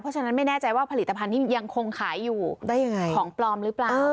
เพราะฉะนั้นไม่แน่ใจว่าผลิตภัณฑ์นี้ยังคงขายอยู่ได้ยังไงของปลอมหรือเปล่า